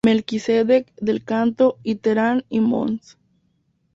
Melquisedec del Canto y Terán y Mons.